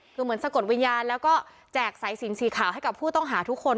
คือเหมือนสะกดวิญญาณแล้วก็แจกสายสินสีขาวให้กับผู้ต้องหาทุกคน